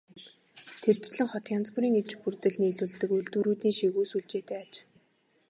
Тэрчлэн хот янз бүрийн иж бүрдэл нийлүүлдэг үйлдвэрүүдийн шигүү сүлжээтэй аж.